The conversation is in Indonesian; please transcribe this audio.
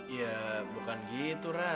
ya bukan gitu rah